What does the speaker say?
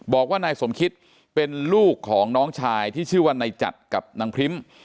บอกว่านายสมคิตเป็นลูกของน้องชายที่ชื่อว่านายจัดกับนางพริ้ม